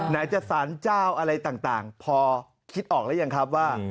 ไหนจะสารเจ้าอะไรต่างพอคิดออกแล้วยังครับว่า